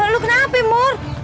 lu kenapa ibu